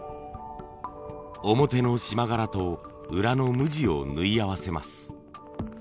表のしま柄と裏の無地を縫い合わせます。